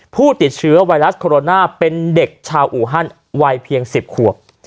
ผู้ติดเชื้อไวรัสโคโรนาเป็นเด็กชาวอูฮันวัยเพียง๑๐ขวบ